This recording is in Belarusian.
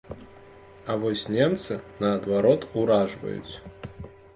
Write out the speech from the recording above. А вось немцы наадварот уражваюць.